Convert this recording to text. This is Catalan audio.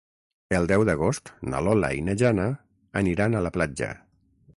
El deu d'agost na Lola i na Jana aniran a la platja.